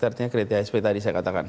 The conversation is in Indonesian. artinya kritis seperti tadi saya katakan